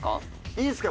いいですか？